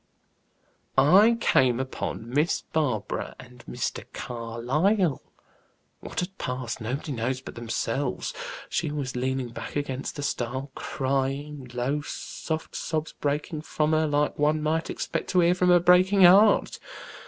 "I came upon Miss Barbara and Mr. Carlyle. What had passed, nobody knows but themselves. She was leaning back against the stile, crying; low, soft sobs breaking from her, like one might expect to hear from a breaking heart.